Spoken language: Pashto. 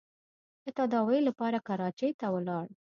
د تداوۍ لپاره کراچۍ ته ولاړ.